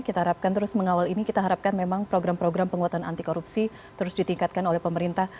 kita harapkan terus mengawal ini kita harapkan memang program program penguatan anti korupsi terus ditingkatkan oleh pemerintah